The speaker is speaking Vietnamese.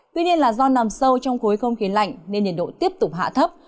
tuy nhiên là do nằm sâu trong khối không khí lạnh nên nhiệt độ tiếp tục hạ thấp